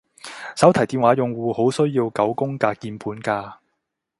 手提電話用戶好需要九宮格鍵盤㗎